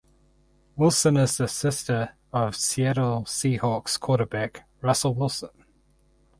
Wilson is the sister of Seattle Seahawks quarterback Russell Wilson.